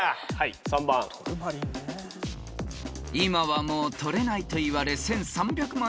［今はもう採れないといわれ１，３００万